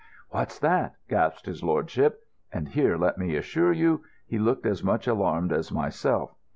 "What's that?" gasped his lordship. And here let me assure you, he looked as much alarmed as myself.